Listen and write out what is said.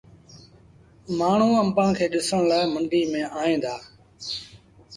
مآڻهوٚٚݩ آݩبآݩ کي ڏسڻ لآ منڊيٚ ميݩ ائيٚݩ دآ۔